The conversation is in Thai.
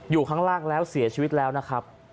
อยู่ข้างล่างแล้วเสียชีวิตแล้วนะครับ